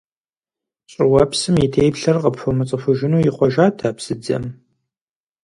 ЩӀыуэпсым и теплъэр къыпхуэмыцӀыхужыну ихъуэжат а псыдзэм.